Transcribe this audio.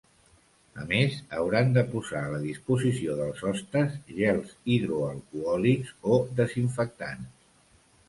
A més, hauran de posar a la disposició dels hostes gels hidroalcohòlics o desinfectants.